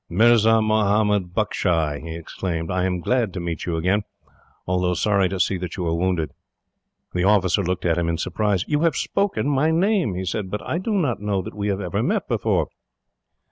"Mirzah Mahomed Buckshy!" he exclaimed. "I am glad to meet you again, although sorry to see that you are wounded." The officer looked at him, in surprise. "You have spoken my name," he said, "but I do not know that we have ever met before."